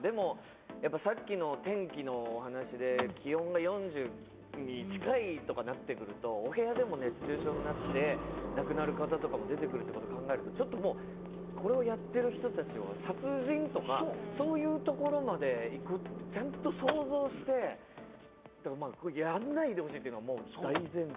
やっぱさっきの天気のお話で、気温が４０度に近いとかなってくると、お部屋でも熱中症になって亡くなる方とかも出てくるってことを考えると、これをやってる人たちは殺人とかそういうところまで行く、ちゃんと想像して、やらないでほしいというのが大前提。